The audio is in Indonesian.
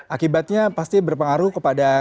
akibatnya pasti berpengaruh kepada